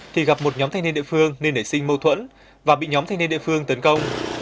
thì gặp một nhóm thanh niên địa phương nên nảy sinh mâu thuẫn và bị nhóm thanh niên địa phương tấn công